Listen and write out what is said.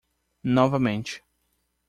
Novamente.